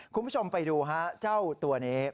คุณผู้ชมไปดูฮะเจ้าตัวนี้